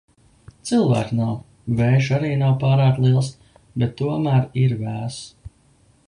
Cilvēku nav. Vējš arī nav pārāk liels, bet tomēr ir vēss.